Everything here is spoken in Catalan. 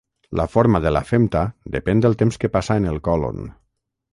La forma de la femta depèn del temps que passa en el còlon.